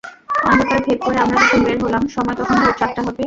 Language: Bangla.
অন্ধকার ভেদ করে আমরা যখন বের হলাম, সময় তখন ভোর চারটা হবে।